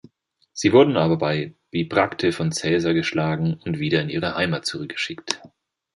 Sie wurden aber bei Bibracte von Caesar geschlagen und wieder in ihre Heimat zurückgeschickt.